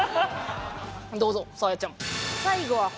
どうぞサーヤちゃん。